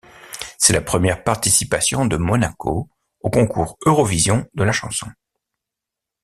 C'est la première participation de Monaco au Concours Eurovision de la chanson.